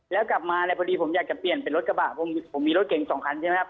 แล้วกลับมาเนี่ยพอดีผมอยากจะเปลี่ยนเป็นรถกระบะผมมีรถเก่งสองคันใช่ไหมครับ